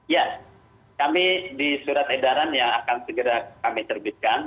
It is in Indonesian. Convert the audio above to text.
ya kami di surat edaran yang akan segera kami terbitkan